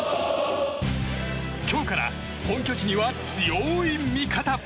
今日から本拠地には強い味方。